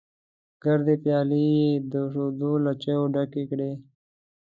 ګردې پيالې یې د شیدو له چایو ډکې کړې.